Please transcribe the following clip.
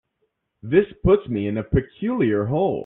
This puts me in a peculiar hole.